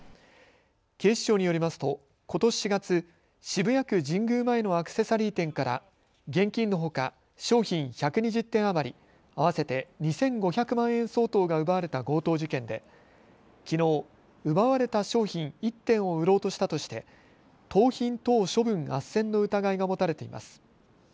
警視庁によりますとことし４月、渋谷区神宮前のアクセサリー店から現金のほか商品１２０点余り合わせて２５００万円相当が奪われた強盗事件できのう奪われた商品１点を売ろうとしたとして盗品等処分あっせんの疑いが持たれています。